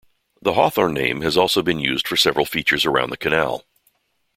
The Hawthorne name has also been used for several features around the canal.